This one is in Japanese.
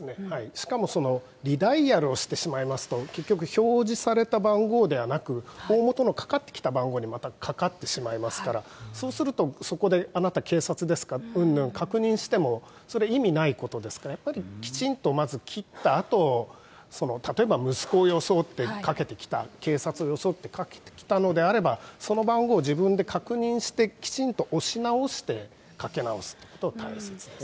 しかもその、リダイヤルをしてしまいますと、結局表示された番号ではなく、おおもとのかかってきた番号にまたかかってしまいますから、そうすると、そこであなた、警察ですかうんぬん確認してもそれ、意味ないことですから、やっぱりきちんとまず切ったあと、例えば息子を装ってかけてきた、警察を装ってかけてきたのであれば、その番号を自分で確認して、きちんと押し直してかけ直すということが大切です。